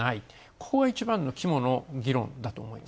ここが一番の議論の肝だと思います。